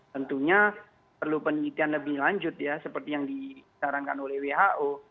tentunya perlu penelitian lebih lanjut ya seperti yang disarankan oleh who